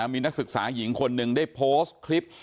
มีนักศึกษาหญิงคนหนึ่งได้โพสต์คลิป